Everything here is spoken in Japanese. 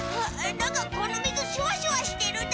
なんかこの水シュワシュワしてるだ！